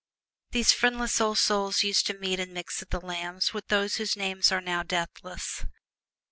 These friendless old souls used to meet and mix at the Lambs' with those whose names are now deathless.